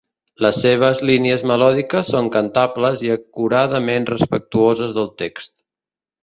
Les seves línies melòdiques són cantables i acuradament respectuoses del text.